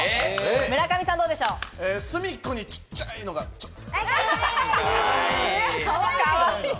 隅っこにちっちゃいのがちょっと。